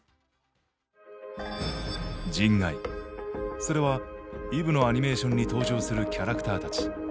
それはＥｖｅのアニメーションに登場するキャラクターたち。